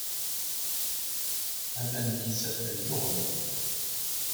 Aman n yisaffen luɣen.